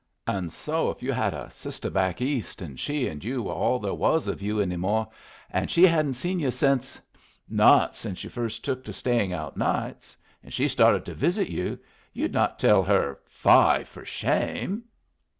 "And so if you had a sister back East, and she and you were all there was of you any more, and she hadn't seen you since not since you first took to staying out nights, and she started to visit you, you'd not tell her 'Fie for shame'?"